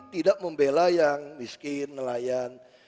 tidak membela yang miskin nelayan